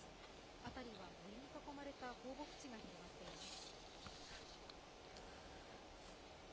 辺りは森に囲まれた放牧地が広がっています。